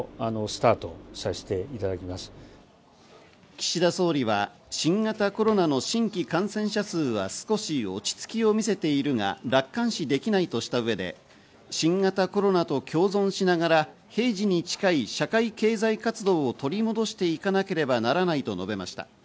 岸田総理は新型コロナの新規感染者数は少し落ち着きを見せているが、楽観視できないとした上で、新型コロナと共存しながら平時に近い社会経済活動を取り戻していかなければならないと述べました。